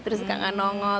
terus suka nongol